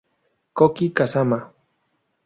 Koki Kazama